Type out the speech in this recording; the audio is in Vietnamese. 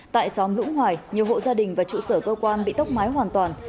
tại xóm lũng hoài nhiều hộ gia đình và trụ sở cơ quan bị tốc mái hoàn toàn